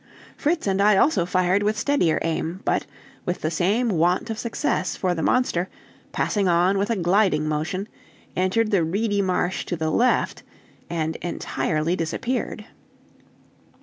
Fritz and I also fired with steadier aim, but with the same want of success, for the monster, passing on with a gliding motion, entered the reedy marsh to the left, and entirely disappeared.